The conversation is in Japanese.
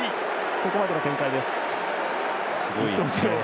ここまでの展開です。